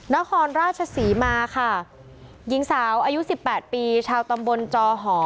นครราชศรีมาค่ะหญิงสาวอายุสิบแปดปีชาวตำบลจอหอ